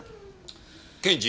検事。